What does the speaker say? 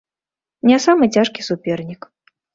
Не самы цяжкі супернік.